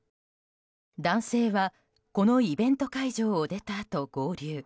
男性は、このイベント会場を出たあと合流。